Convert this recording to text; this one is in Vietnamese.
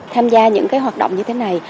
tham gia những hoạt động như thế này